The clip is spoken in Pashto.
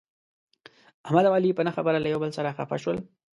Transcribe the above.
احمد او علي په نه خبره یو له بل سره خپه شول.